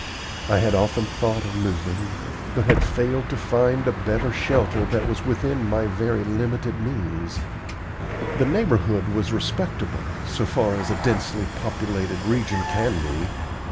I had often thought of moving, but had failed to find a better shelter that was within my very limited means. The neighborhood was respectable, so far as a densely populated region can be.